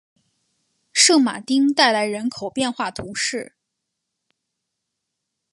圣马丁代来人口变化图示